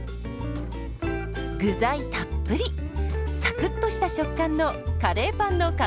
具材たっぷりサクッとした食感のカレーパンの完成です。